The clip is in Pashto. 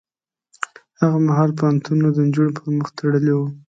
هغه مهال پوهنتونونه د نجونو پر مخ تړلي وو.